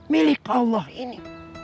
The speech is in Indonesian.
milik allah ini